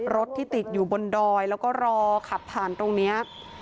รถที่ติดอยู่บนดอยแล้วก็รอขับผ่านตรงนี้